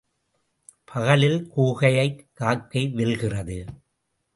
பகலில் கூகையைக் காக்கை வெல்கிறது.